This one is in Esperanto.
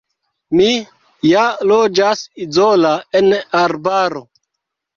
Mi ja loĝas izola, en arbaro.